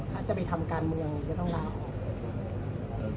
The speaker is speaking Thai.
ถ้าจะไปทำการเมืองจะต้องลาออก